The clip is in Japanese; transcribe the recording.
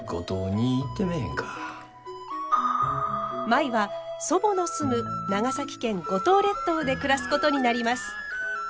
舞は祖母の住む長崎県五島列島で暮らすことになります。